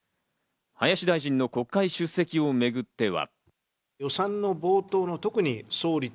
林大臣の国会出席をめぐっては。